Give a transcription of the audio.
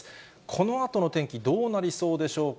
このあとの天気、どうなりそうでしょうか。